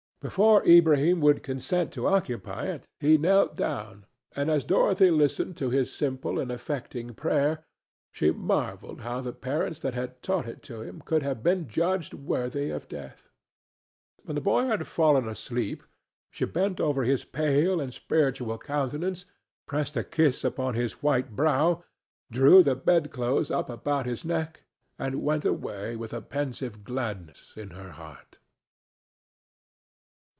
Before Ilbrahim would consent to occupy it he knelt down, and as Dorothy listed to his simple and affecting prayer she marvelled how the parents that had taught it to him could have been judged worthy of death. When the boy had fallen asleep, she bent over his pale and spiritual countenance, pressed a kiss upon his white brow, drew the bedclothes up about his neck, and went away with a pensive gladness in her heart.